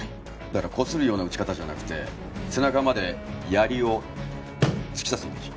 だからこするような打ち方じゃなくて背中までやりを突き刺すイメージ。